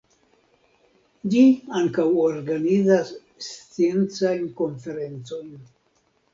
Ĝi ankaŭ organizas sciencajn konferencojn.